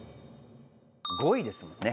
５位ですもんね。